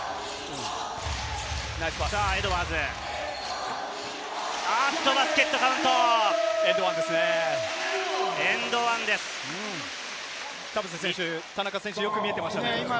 エドワーズ、バスケット田中選手、よく見えていましたね。